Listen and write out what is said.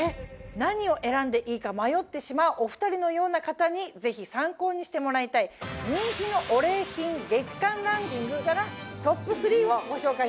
何を選んでいいか迷ってしまうお２人のような方にぜひ参考にしてもらいたい人気のお礼品月間ランキングからトップ３をご紹介します。